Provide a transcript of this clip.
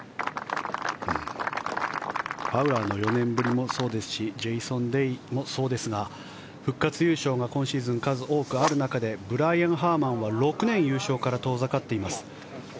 ファウラーの４年ぶりもそうですしジェイソン・デイもそうですが復活優勝が今シーズン数多くある中でブライアン・ハーマンは６年、優勝から遠ざかっています。